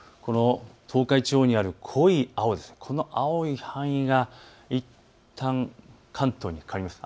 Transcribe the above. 東海地方にある濃い青、この青い範囲がいったん関東にかかります。